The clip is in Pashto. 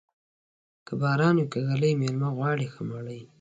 که باران وې که ږلۍ، مېلمه غواړي ښه مړۍ.